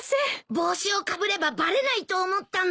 帽子をかぶればバレないと思ったんだよ。